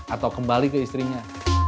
atau kembali ke istrinya